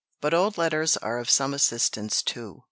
But old letters are of some assistance too.